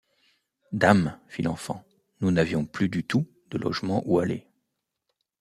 Dame, fit l’enfant, nous n’avions plus du tout de logement où aller.